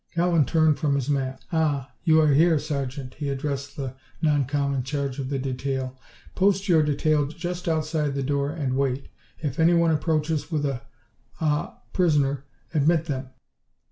Cowan turned from his map. "Ah, you are here. Sergeant," he addressed the non com in charge of the detail, "post your detail just outside the door and wait. If anyone approaches with a ah prisoner, admit them."